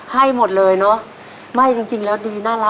ให้หมดเลยเนาะ